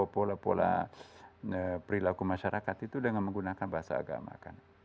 pola pola perilaku masyarakat itu dengan menggunakan bahasa agama kan